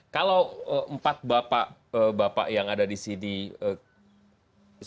kalau empat bapak bapak yang ada di sini seperti apa namanya